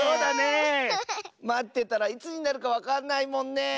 まってたらいつになるかわかんないもんねえ。